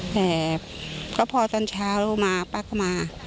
เสร็จก็พอตอนเช้ามาป๊ากก็มา